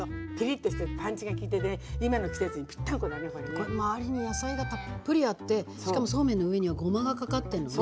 これ周りに野菜がたっぷりあってしかもそうめんの上にはごまがかかってんのね。